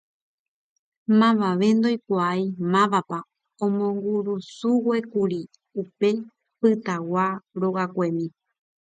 Mavave ndoikuaái mávapa omongusuguékuri upe pytagua rogakuemi.